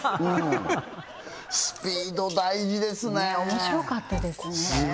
スピード大事ですねすごい面白かったですね